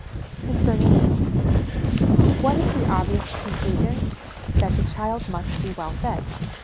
Concerning Meals. What is the obvious con clusion ? That the child must be well fed.